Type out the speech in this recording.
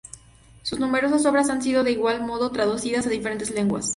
Sus numerosas obras han sido de igual modo traducidas a diferentes lenguas.